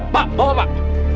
pak bawa pak